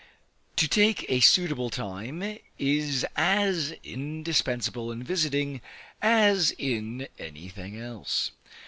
To take a suitable time, is as indispensable in visiting, as in any thing else.